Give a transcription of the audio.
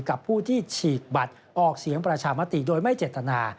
กับผู้ที่ฉีกบัตรออกเสียงประชามติโดยไม่เจตนา